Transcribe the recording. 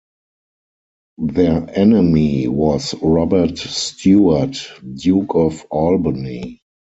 Their enemy was Robert Stewart, Duke of Albany.